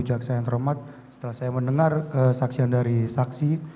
saya ucapkan terima kasih setelah saya mendengar kesaksian dari saksi